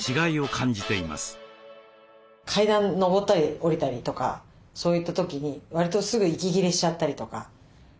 階段上ったり下りたりとかそういった時にわりとすぐ息切れしちゃったりとか。